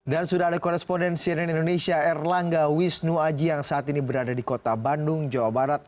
sudah ada korespondensi dari indonesia erlangga wisnu aji yang saat ini berada di kota bandung jawa barat